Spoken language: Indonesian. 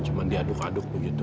cuma diaduk aduk begitu